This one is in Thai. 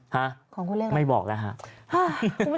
ฮะไม่บอกนะฮะคุณผู้ชาย